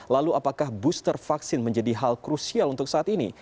lalu apakah booster vaksin menjadi hal krusial untuk saat ini